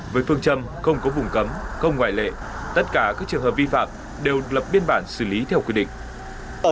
với phương châm không có vùng cấm không ngoại lệ tất cả các trường hợp vi phạm đều lập biên bản xử lý theo quy định